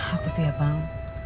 aku tuh ya bang